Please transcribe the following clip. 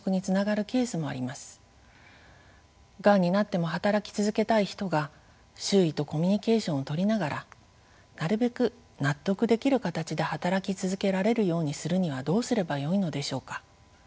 がんになっても働き続けたい人が周囲とコミュニケーションをとりながらなるべく納得できる形で働き続けられるようにするにはどうすればよいのでしょうか。